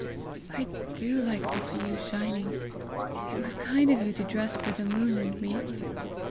"I do like to see you shining! It was kind of you to dress for the moon and me!"